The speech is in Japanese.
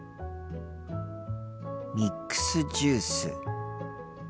ミックスジュース。